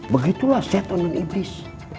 begitulah syaiton dan iblis